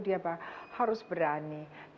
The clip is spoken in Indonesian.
dia harus berani